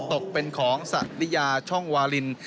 ตกเป็นของสัตริยาช่องวาลิน